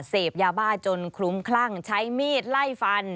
เสพยาบ้าจนคลุ้มคลั่งใช้มีดไล่ฟัน